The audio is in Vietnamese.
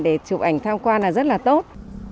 để chụp ảnh tham quan là rất là tốt